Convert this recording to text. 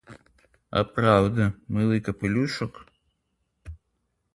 А правда, милий капелюшок?